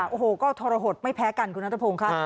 โอ้โหก็ทรหดไม่แพ้กันคุณนัทพงศ์ค่ะ